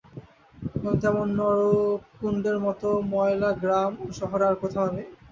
কিন্তু এমন নরককুণ্ডের মত ময়লা গ্রাম ও শহর আর কোথাও নাই।